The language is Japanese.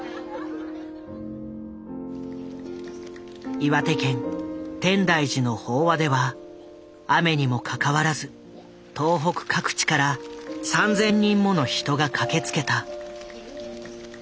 岩手県天台寺の法話では雨にもかかわらず東北各地から３，０００人もの人が駆けつけた。